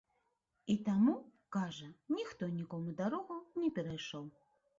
І таму, кажа, ніхто нікому дарогу не перайшоў.